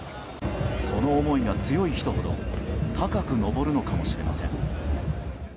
その思いが強い人ほど高く登るのかもしれません。